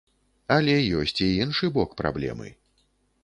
Але ёсць і іншы бок праблемы.